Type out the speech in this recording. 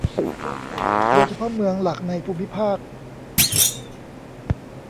โดยเฉพาะเมืองหลักในภูมิภาค